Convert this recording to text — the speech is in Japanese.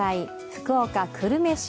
福岡・久留米市。